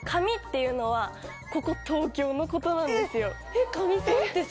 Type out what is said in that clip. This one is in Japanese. えっ！